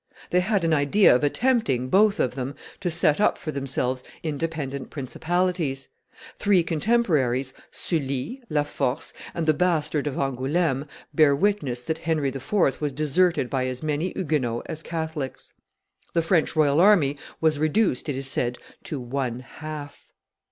They had an idea of attempting, both of them, to set up for themselves independent principalities. Three contemporaries, Sully, La Force, and the bastard of Angouleme, bear witness that Henry IV. was deserted by as many Huguenots as Catholics. The French royal army was reduced, it is said, to one half.